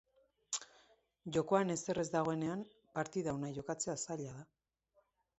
Jokoan ezer ez dagoenean partida ona jokatzea zaila da.